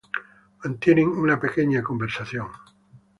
Mantienen una pequeña conversación.